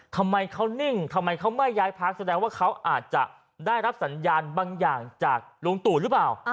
ทำไมเขานิ่งทำไมเขาไม่ย้ายพักแสดงว่าเขาอาจจะได้รับสัญญาณบางอย่างจากลุงตู่หรือเปล่า